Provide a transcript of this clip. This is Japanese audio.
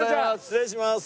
失礼します。